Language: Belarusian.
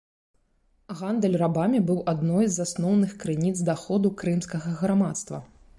Гандаль рабамі быў адной з асноўных крыніц даходу крымскага грамадства.